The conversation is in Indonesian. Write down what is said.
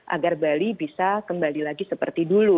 agar bali bisa kembali lagi seperti dulu